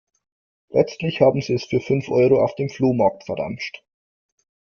Letztlich haben sie es für fünf Euro auf dem Flohmarkt verramscht.